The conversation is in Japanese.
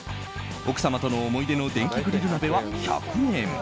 奥様との思い出の電気グリル鍋は１００円